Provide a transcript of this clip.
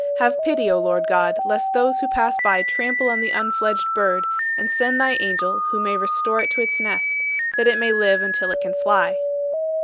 Have pity, O Lord God, lest those who pass by trample on the unfledged bird, and send thy angel who may restore it to its nest, that it may live until it can fly.